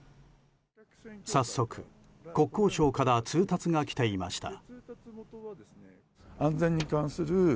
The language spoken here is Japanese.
早速、国交省から通達が来ていました。